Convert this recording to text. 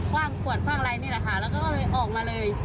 ความปวดความไร้นี่แหละค่ะแล้วก็ออกมาเลย